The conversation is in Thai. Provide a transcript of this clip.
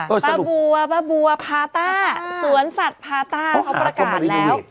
ป้าบัวป้าบัวพาต้าสวนสัตว์พาต้าเขาประกาศแล้ว